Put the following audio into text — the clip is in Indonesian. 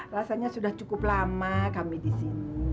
rasanya sudah cukup lama kami disini